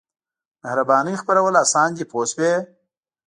مهربانۍ خپرول اسان دي پوه شوې!.